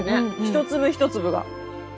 一粒一粒が。